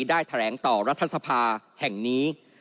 ได้แถลงต่อรัฐสภาแห่งนี้